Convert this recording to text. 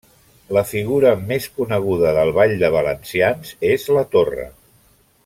La figura més coneguda del ball de valencians és la torre.